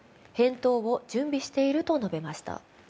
返答を準備していると述べました。